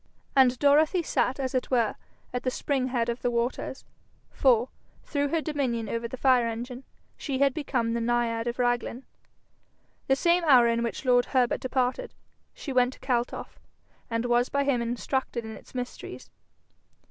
And Dorothy sat as it were at the spring head of the waters, for, through her dominion over the fire engine, she had become the naiad of Raglan. The same hour in which lord Herbert departed she went to Kaltoff, and was by him instructed in its mysteries.